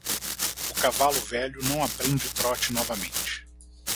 O cavalo velho não aprende trote novamente.